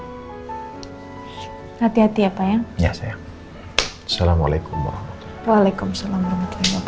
hati hati apa ya iya sayang assalamualaikum waalaikumsalam